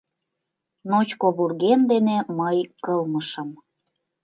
— Ночко вургем дене мый кылмышым.